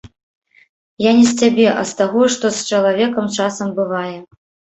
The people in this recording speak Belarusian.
Я не з цябе, а з таго, што з чалавекам часам бывае.